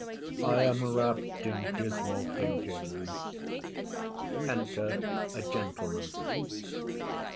I am wrapp'd in dismal thinkings. Enter a Gentleman.